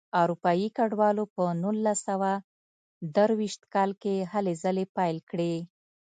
اروپایي کډوالو په نولس سوه درویشت کال کې هلې ځلې پیل کړې.